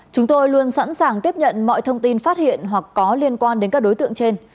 chúng tôi luôn sẵn sàng tiếp nhận mọi thông tin phát hiện hoặc có liên quan đến các đối tượng trên